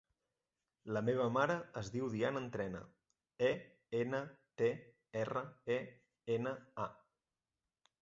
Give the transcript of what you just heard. La meva mare es diu Diana Entrena: e, ena, te, erra, e, ena, a.